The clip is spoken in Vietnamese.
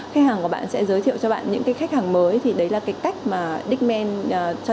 khách hàng của bạn sẽ giới thiệu cho bạn những cái khách hàng mới thì đấy là cái cách mà dikmen